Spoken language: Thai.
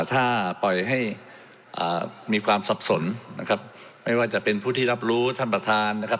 ถ้าปล่อยให้มีความสับสนนะครับไม่ว่าจะเป็นผู้ที่รับรู้ท่านประธานนะครับ